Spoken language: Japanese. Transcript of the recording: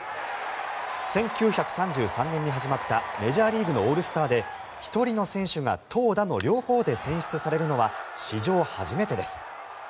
１９３３年に始まったメジャーリーグのオールスターで１人の選手が投打の両方で選出されるのは史上初めてです。